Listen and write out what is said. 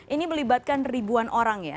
ini melibatkan ribuan orang ya